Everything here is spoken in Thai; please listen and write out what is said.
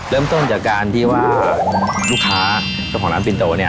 เริ่มต้นจากการที่ว่าลูกค้าของน้ำปิ่นโตนี่